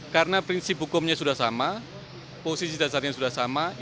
karena prinsip hukumnya sudah sama posisi dasarnya sudah sama